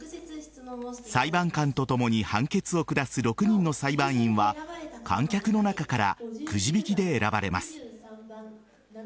裁判官と共に判決を下す６人の裁判員は観客の中からくじ引きで選ばれます。